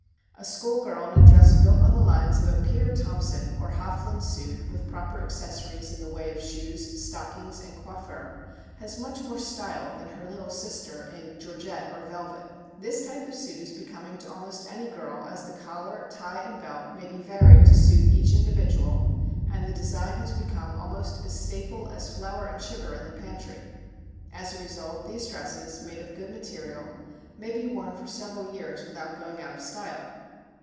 A school girl in a dress built on the lines of a Peter Thompson or Hofflin suit with proper accessories in the way of shoes, stockings, and coiffure has much more style than her little sister in georgette or velvet. This type of suit is becoming to almost any girl as the collar, tie, and belt may be varied to suit each individual, and the design has become almost as staple as flour and sugar in the pantry. As a result, these dresses, made of good material, may be worn for several years without going out of style.